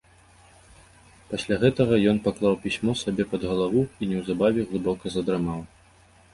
Пасля гэтага ён паклаў пісьмо сабе пад галаву і неўзабаве глыбока задрамаў.